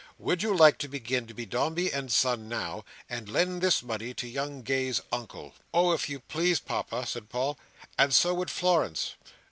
"Would you like to begin to be Dombey and Son, now, and lend this money to young Gay's Uncle?" "Oh! if you please, Papa!" said Paul: "and so would Florence."